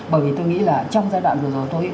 bởi vì tôi nghĩ là trong giai đoạn vừa rồi tôi